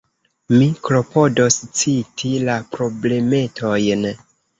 Mi klopodos citi la problemetojn.